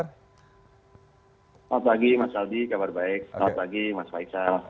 selamat pagi mas aldi kabar baik selamat pagi mas faisal